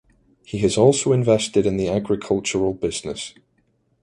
He has also invested in the agricultural business.